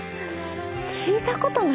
聞いたことないですよ